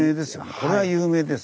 これは有名です。